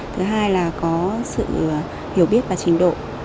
thứ hai là có sự hiểu biết và trình độ